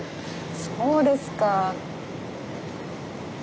そうですか。